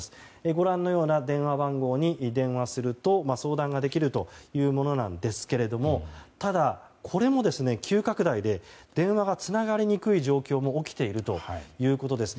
ご覧のような電話番号に電話すると相談ができるというものですがただ、これも急拡大で電話がつながりにくい状況が起きているということです。